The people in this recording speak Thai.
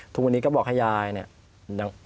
ทุกวันนี้ก็บอกให้ยายเนี่ย